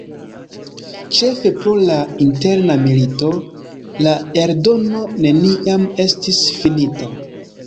Ĉefe pro la Interna milito, la eldono neniam estis finita.